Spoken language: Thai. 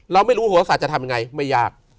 เราไม่รู้โหลศาสตร์จะทำยังไงไม่ยาก